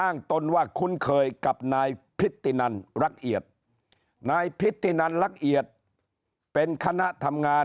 ตนว่าคุ้นเคยกับนายพิธินันรักเอียดนายพิธินันรักเอียดเป็นคณะทำงาน